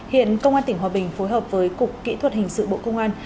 hiện công an tỉnh hòa bình phối hợp với cục kỹ thuật hình sự bộ công an